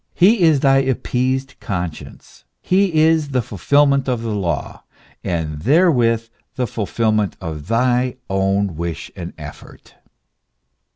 He is thy appeased conscience ; he is the fulfilment of the law, and therewith the fulfilment of thy own wish and effort.